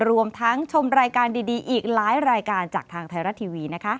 รวมทั้งชมรายการดีอีกหลายรายการจากทางไทยรัฐทีวี